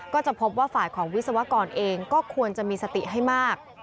ก็จะพบว่าฝ่ายของวิศวกรเองก็ควรจะมีสติให้มาก